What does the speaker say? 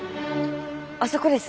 あそこです。